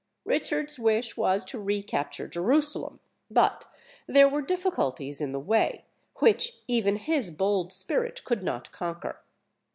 Richard's wish was to recapture Jerusalem; but there were difficulties in the way, which even his bold spirit could not conquer.